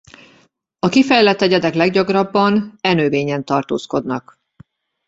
A kifejlett egyedek leggyakrabban e növényen tartózkodnak.